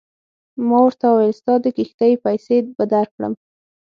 ما ورته وویل ستا د کښتۍ پیسې به درکړم.